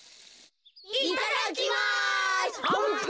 いただきます。